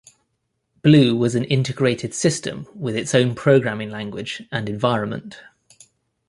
Blue was an integrated system with its own programming language and environment.